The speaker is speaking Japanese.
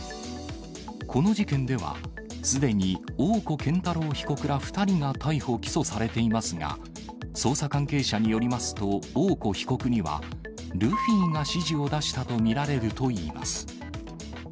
この事件では、すでに大古健太郎被告ら２人が逮捕・起訴されていますが、捜査関係者によりますと、大古被告には、ルフィが指示を出したと見られるといいます。